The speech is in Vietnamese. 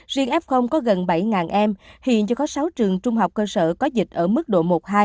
riêng f có gần bảy em hiện chưa có sáu trường trung học cơ sở có dịch ở mức độ một hai